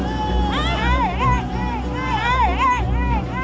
untuk mengecek bola tkp